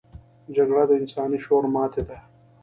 جګړه د انساني شعور ماتې ده